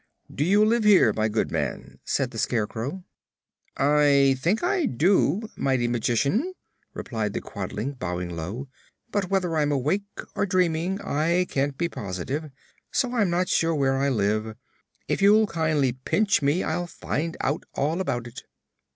"Do you live here, my good man?" asked the Scarecrow. "I think I do, Most Mighty Magician," replied the Quadling, bowing low; "but whether I'm awake or dreaming I can't be positive, so I'm not sure where I live. If you'll kindly pinch me I'll find out all about it!"